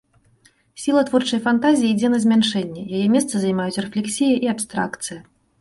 Сіла творчай фантазіі ідзе на змяншэнне, яе месца займаюць рэфлексія і абстракцыя.